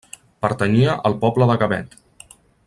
Pertanyia al poble de Gavet.